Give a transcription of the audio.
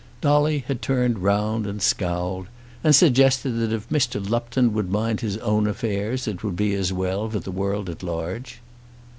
Dolly had turned round and scowled, and suggested that if Mr. Lupton would mind his own affairs it would be as well for the world at large.